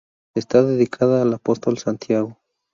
Está dedicada al Apóstol Santiago.